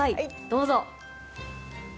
どうぞ。